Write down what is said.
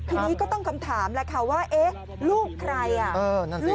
ทีนี้ก็ต้องคำถามแหละค่ะว่าเอ๊ะลูกใครอ่ะ